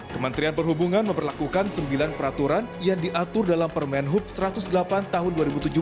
kementerian perhubungan memperlakukan sembilan peraturan yang diatur dalam permen hub satu ratus delapan tahun dua ribu tujuh belas